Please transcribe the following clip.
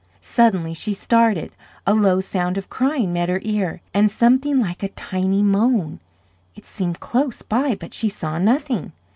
Suddenly she started. A low sound of crying met her ear, and something like a tiny moan. It seemed close by but she saw nothing.